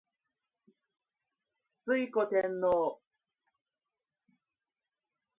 推古天皇